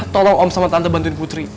tolong om sama tante bantuin putri